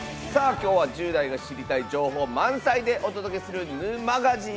きょうは１０代が知りたい情報満載でお届けする「ぬ！マガジン」。